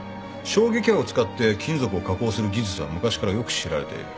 衝撃波を使って金属を加工する技術は昔からよく知られている。